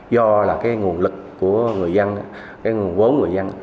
do là cái nguồn lực của người dân cái nguồn vốn người dân